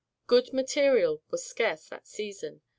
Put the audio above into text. Good material was scarce that season.